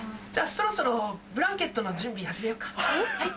じゃあそろそろブランケットの準備始めようか。